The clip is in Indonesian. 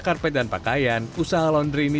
karpet dan pakaian usaha laundry ini